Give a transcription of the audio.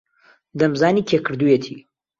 دەمزانی کێ کردوویەتی.